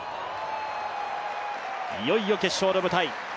いよいよ決勝の舞台。